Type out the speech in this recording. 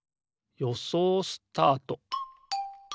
よそうスタート！